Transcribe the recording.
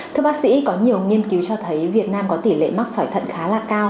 thưa bác sĩ có nhiều nghiên cứu cho thấy việt nam có tỷ lệ mắc sỏi thận khá là cao